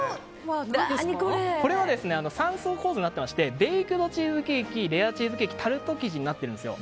これは３層構造になってましてベイクドチーズケーキレアチーズケーキタルト生地になってるんです。